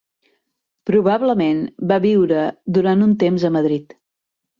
Probablement va viure durant un temps a Madrid.